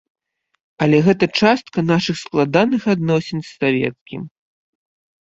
Але гэта частка нашых складаных адносін з савецкім.